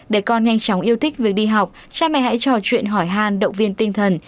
để con nhanh chóng yêu thích việc đi học cha mẹ hãy trò chuyện hỏi hàn động viên tinh thần